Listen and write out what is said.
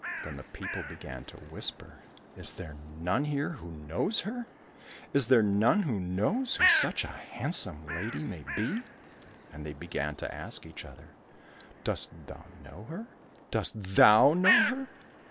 Then the people began to whisper, " Is there none here who knows her ? Is there none who knows who such a handsome lady may be !" And they began to ask each other, " Dost thou know her } Dost thou know her